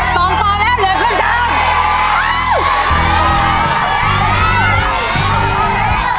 ๒ตอนแล้วเดี๋ยวขึ้น๓